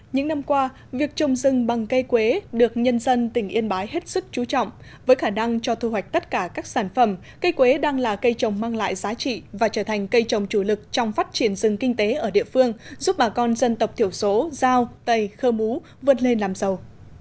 những năm qua việc trồng rừng bằng cây quế được nhân dân tỉnh yên bái hết sức chú trọng với khả năng cho thu hoạch tất cả các sản phẩm cây quế đang là cây trồng mang lại giá trị và trở thành cây trồng chủ lực trong phát triển rừng kinh tế ở địa phương giúp bà con dân tộc thiểu số giao tây khơ mú vượt lên làm giàu